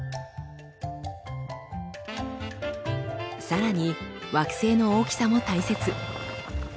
さらに惑星の大きさも大切。